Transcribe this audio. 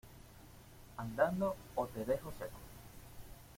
¡ andando ó te dejo seco!